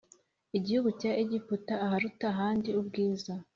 Gihugu cya egiputa aharuta ahandi ubwiza